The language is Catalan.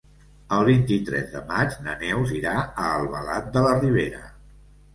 El vint-i-tres de maig na Neus irà a Albalat de la Ribera.